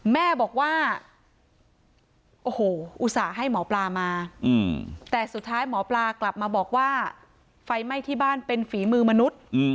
แม่บอกว่าโอ้โหอุตส่าห์ให้หมอปลามาแต่สุดท้ายหมอปลากลับมาบอกว่าไฟไหม้ที่บ้านเป็นฝีมือมนุษย์